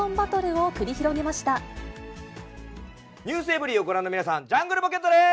ｎｅｗｓｅｖｅｒｙ．をご覧の皆さん、ジャングルポケットです。